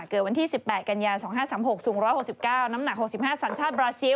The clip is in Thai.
เกิดวันที่๑๘กันยา๒๕๓๖สูง๑๖๙น้ำหนัก๖๕สัญชาติบราซิล